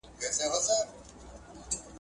مطالعه کوونکي نورو ته لارښوونه کولای سي.